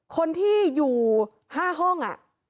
คนที่อยู่๕ห้อง